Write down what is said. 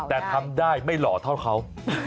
แต่ทำได้ไม่หล่อเท่าเขา